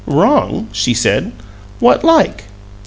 "Wrong?" she said. "What like?"